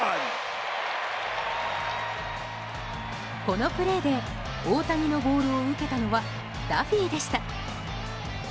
このプレーで大谷のボールを受けたのはダフィーでした。